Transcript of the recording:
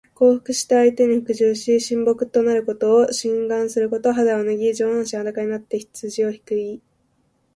降伏して相手に服従し、臣僕となることを請願すること。肌を脱ぎ、上半身裸になって羊をひく意。